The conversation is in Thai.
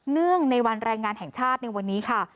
เนื่องในวันแรงงานแห่งชาติในวันนี้ค่ะ